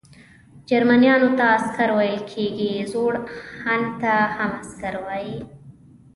جرمنیانو ته عسکر ویل کیږي، زوړ هن ته هم عسکر وايي.